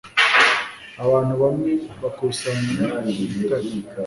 abantu bamwe bakusanya urutare